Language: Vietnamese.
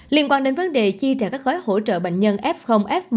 liên quan đến vấn đề chi trả các gói hỗ trợ bệnh nhân f f một